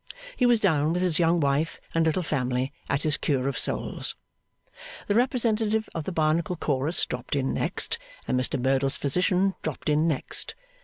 He was down, with his young wife and little family, at his Cure of Souls. The representatives of the Barnacle Chorus dropped in next, and Mr Merdle's physician dropped in next.